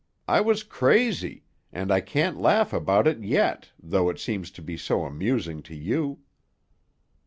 I was crazy! And I can't laugh about it yet, though it seems to be so amusing to you."